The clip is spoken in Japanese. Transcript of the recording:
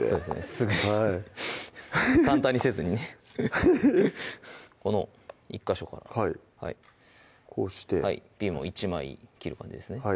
すぐに簡単にせずにねフフッこの１ヵ所からはいこうしてピーマンを１枚切る感じですね